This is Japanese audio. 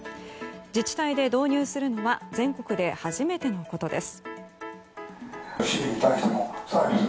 自治体で導入するのは全国で初めてのことです。